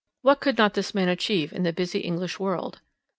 What could not this man achieve in the busy English world?